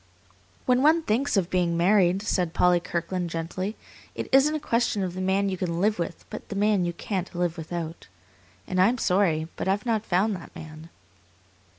"When one thinks of being married," said Polly Kirkland gently, "it isn't a question of the man you can live with, but the man you can't live without. And I am sorry, but I've not found that man."